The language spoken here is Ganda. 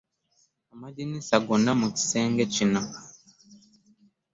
Amadinisa gonna mu kisenge kino .